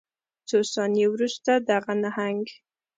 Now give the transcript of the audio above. څو ثانیې وروسته دغه نهنګ